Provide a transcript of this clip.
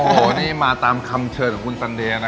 โอ้โหนี่มาตามคำเชิญของคุณสันเดียนะ